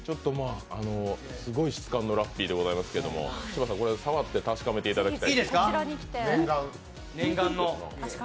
すごい質感のラッピーでございますけれども柴田さん触って確かめていただきたい。